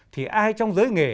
thì ai trong giới nghề